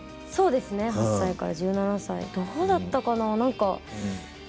そうですね８歳から１７歳どうだったかな？